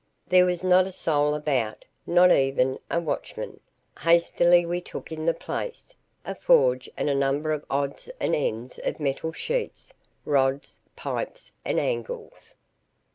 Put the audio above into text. There was not a soul about, not even a watchman. Hastily we took in the place, a forge and a number of odds and ends of metal sheets, rods, pipes and angles.